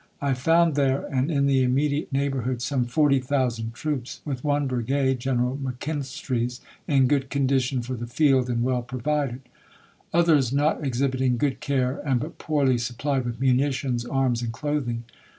I found there and in the immediate neighborhood some 40,000 troops, with one brigade (General McKinstry's) in good condition for the field and well provided; others not exhibiting good care, and but poorly supplied with munitions, arms, and clothing.